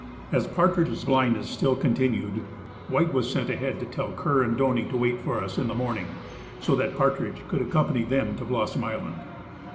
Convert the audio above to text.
As Partridge's blindness still continued, White was sent ahead to tell Kerr and Doney to wait for us in the morning, so that Partridge could accompany them to Blossom island.